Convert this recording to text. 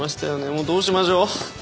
もうどうしましょう。